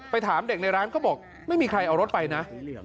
ถามเด็กในร้านก็บอกไม่มีใครเอารถไปนะ